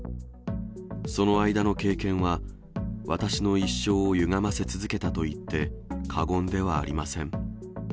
その間の経験は、私の一生をゆがませ続けたと言って過言ではありません。